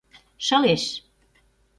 Шылеш.